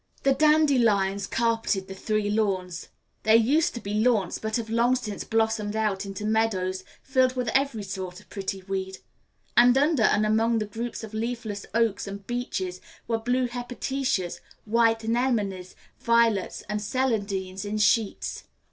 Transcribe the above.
The dandelions carpeted the three lawns, they used to be lawns, but have long since blossomed out into meadows filled with every sort of pretty weed, and under and among the groups of leafless oaks and beeches were blue hepaticas, white anemones, violets, and celandines in sheets.